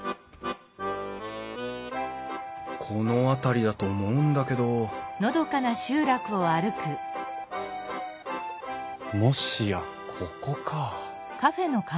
この辺りだと思うんだけどもしやここか。